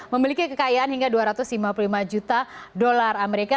memiliki kekayaan hingga dua ratus lima puluh lima juta dolar amerika